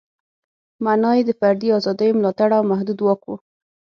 معنا یې د فردي ازادیو ملاتړ او محدود واک و.